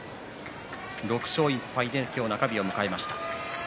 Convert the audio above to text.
６勝１敗で今日中日を迎えました。